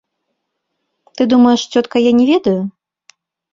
Ты думаеш, цётка, я не ведаю?